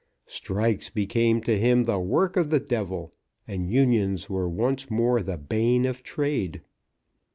Strikes became to him the work of the devil, and unions were once more the bane of trade.